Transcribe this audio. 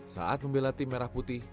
saat membela tim merah putih